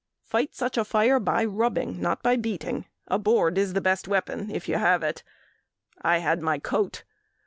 Fight such a fire by rubbing not by beating. A board is the best weapon if you have it. I had my coat.